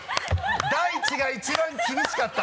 だいちが一番厳しかった。